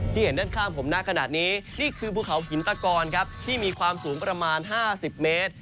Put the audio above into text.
เห็นด้านข้างผมนะขนาดนี้นี่คือภูเขาหินตะกอนครับที่มีความสูงประมาณ๕๐เมตร